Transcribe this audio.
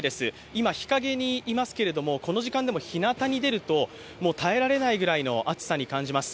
今、日陰にいますけどこの時間でもひなた出ますと耐えられないくらいの暑さに感じます。